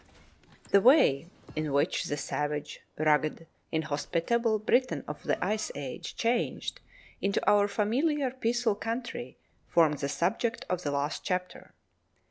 The way in which the savage, rugged, inhospitable Britain of the Ice Age changed into our familiar peaceful country formed the subject of the last chapter.